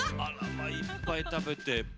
いっぱい食べて。